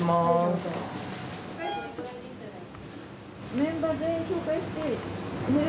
メンバー全員紹介していい？